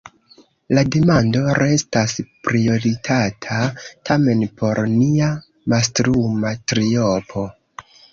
La demando restas prioritata, tamen, por nia mastruma triopo.